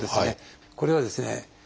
これはですね